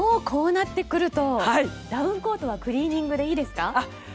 こうなってくるとダウンコートはクリーニングでいいですか？